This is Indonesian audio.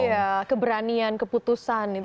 iya keberanian keputusan